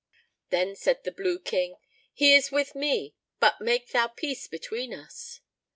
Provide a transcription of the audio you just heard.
Then said the Blue King, "He is with me; but make thou peace between us."